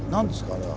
あれは。